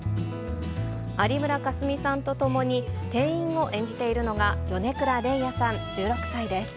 有村架純さんと共に店員を演じているのが、米倉れいあさん１６歳です。